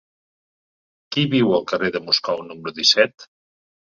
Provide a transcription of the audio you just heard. Qui viu al carrer de Moscou número disset?